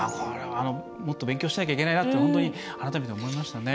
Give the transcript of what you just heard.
もっと勉強しなきゃいけないなと本当に改めて思いましたね。